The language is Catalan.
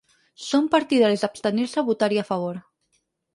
Són partidaris d’abstenir-se o votar-hi a favor.